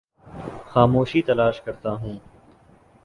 خاموشی تلاش کرتا ہوں